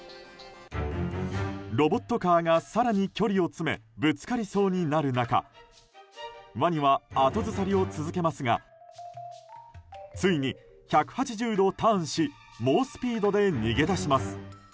ロボットカーが更に距離を詰めぶつかりそうになる中ワニは後ずさりを続けますがついに１８０度ターンし猛スピードで逃げ出します。